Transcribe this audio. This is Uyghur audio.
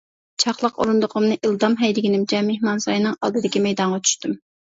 چاقلىق ئورۇندۇقۇمنى ئىلدام ھەيدىگىنىمچە مېھمانساراينىڭ ئالدىدىكى مەيدانغا چۈشتۈم.